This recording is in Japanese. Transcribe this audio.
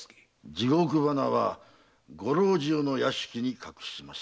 地獄花はご老中の屋敷に隠しました。